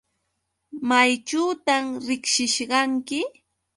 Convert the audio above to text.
¿Mayćhuta riqsishqanki?